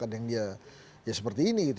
ada yang dia ya seperti ini gitu